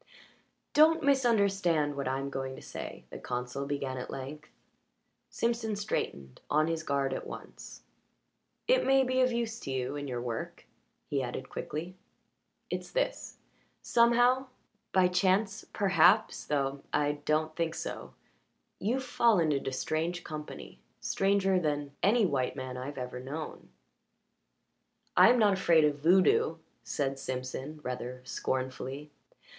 "Don't misunderstand what I'm going to say," the consul began at length. Simpson straightened, on his guard at once. "It may be of use to you in your work," he added quickly. "It's this. Somehow by chance perhaps, though I don't think so you've fallen into strange company stranger than any white man I've ever known." "I am not afraid of voodoo," said Simpson rather scornfully.